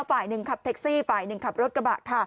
ฝ่ายหนึ่งขับแท็กซี่ฝ่ายหนึ่งขับรถกระบะค่ะ